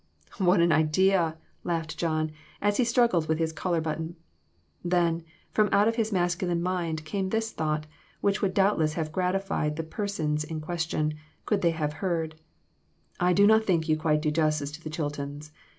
"What an idea!" laughed John, as he struggled with his collar button. Then, from out of his masculine mind came this thought, which would doubtless have gratified the persons in question, could they have heard "I do not think you quite do justice to the Chiltons.